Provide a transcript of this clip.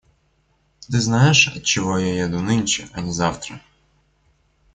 Ты знаешь, отчего я еду нынче, а не завтра?